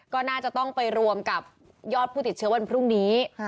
ก็น่าจะต้องไปรวมกับยอดผู้ติดเชื้อวันพรุ่งนี้